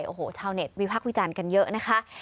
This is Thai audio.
โอ้โหชาวเน็ตวิพักษ์วิจารณ์กันเยอะนะคะ